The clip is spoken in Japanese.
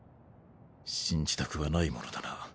信じたくはないものだな。